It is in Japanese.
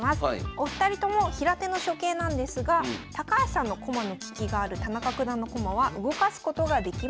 お二人とも平手の初形なんですが高橋さんの駒の利きがある田中九段の駒は動かすことができません。